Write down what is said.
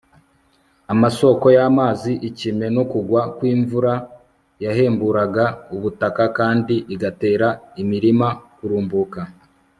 amasoko yamazi ikime no kugwa kwimvura yahemburaga ubutaka kandi igatera imirima kurumbuka